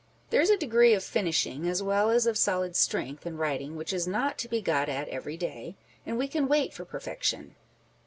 There is a degree of finishing as well as of solid strength in writing which is not to be got at every day, and we can wait for perfection.